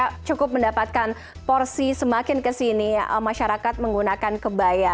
karena kebaya cukup mendapatkan porsi semakin kesini masyarakat menggunakan kebaya